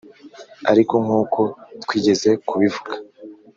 Ariko nk’uko twigeze kubivuga